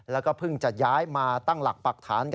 แล้วก็เพิ่งจะย้ายมาตั้งหลักปรักฐาน